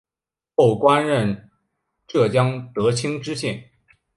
后官任浙江德清知县。